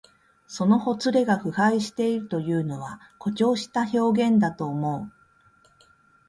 そのほつれが腐敗しているというのは、誇張した表現だと思う。